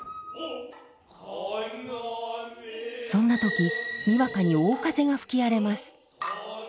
そんな時にわかに大風が吹き荒れます。